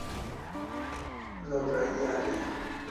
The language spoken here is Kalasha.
Zo't rahi Ari e?